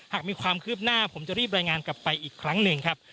หากมีความคืบหน้าผมจะรีบรายงานกลับไปอีกครั้งหนึ่งครับ